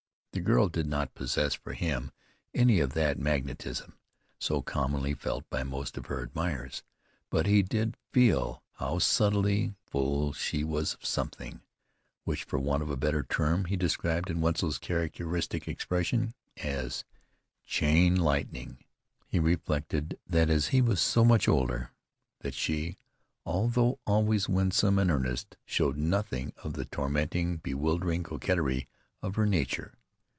The girl did not possess for him any of that magnetism, so commonly felt by most of her admirers; but he did feel how subtly full she was of something, which for want of a better term he described in Wetzel's characteristic expression, as "chain lightning." He reflected that as he was so much older, that she, although always winsome and earnest, showed nothing of the tormenting, bewildering coquetry of her nature.